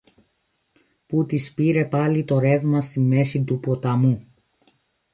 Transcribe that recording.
που τις πήρε πάλι το ρεύμα στη μέση του ποταμού.